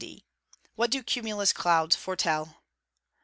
_What do cumulus clouds foretell?